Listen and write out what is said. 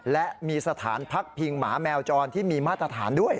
และมีสถานพักพิงหมาแมวจรที่มีมาตรฐานด้วย